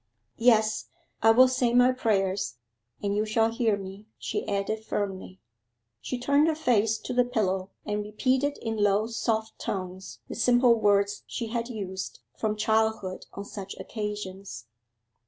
'Yes; I will say my prayers, and you shall hear me,' she added firmly. She turned her face to the pillow and repeated in low soft tones the simple words she had used from childhood on such occasions.